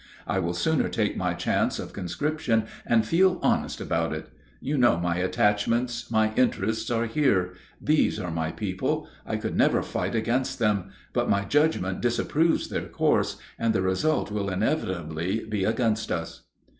I will sooner take my chance of conscription and feel honest about it. You know my attachments, my interests are here; these are my people. I could never fight against them; but my judgment disapproves their course, and the result will inevitably be against us."